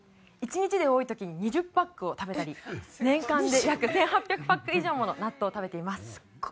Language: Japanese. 一日で多い時に２０パックを食べたり年間で約１８００パック以上もの納豆を食べています。